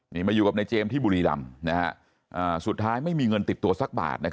นี่มาอยู่กับนายเจมส์ที่บุรีรำสุดท้ายไม่มีเงินติดตัวสักบาท